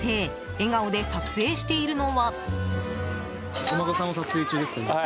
笑顔で撮影しているのは。